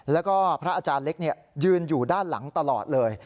แล้วก็พระอาจารย์เล็กยืนอยู่ด้านหลังตลอดเลย